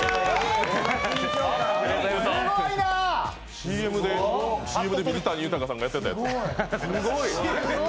ＣＭで水谷豊さんがやってたやつ。